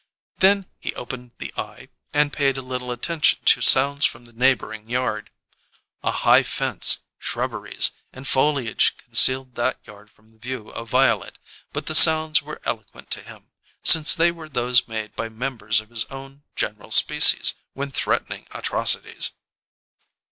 Then he opened the eye and paid a little attention to sounds from the neighbouring yard. A high fence, shrubberies, and foliage concealed that yard from the view of Violet, but the sounds were eloquent to him, since they were those made by members of his own general species when threatening atrocities.